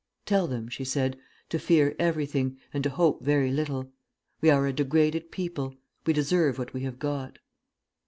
'Tell them,' she said, 'to fear everything, and to hope very little. We are a degraded people; we deserve what we have got.'